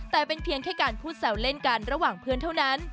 แต่เป็นเพียงแค่การพูดแซวเล่นกันระหว่างเพื่อนเท่านั้น